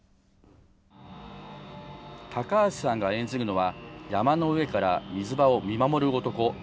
高橋さんが演じるのは、山の上から水場を見守る男。